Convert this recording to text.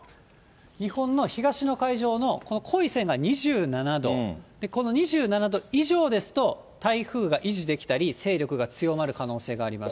日本の東の海上の、この濃い線が２７度、この２７度以上ですと、台風が維持できたり、勢力が強まる可能性があります。